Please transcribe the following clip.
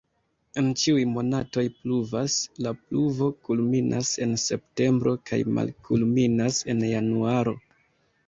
En ĉiuj monatoj pluvas, la pluvo kulminas en septembro kaj malkulminas en januaro.